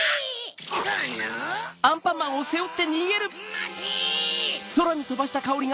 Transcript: まて！